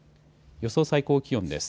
予想最高気温です。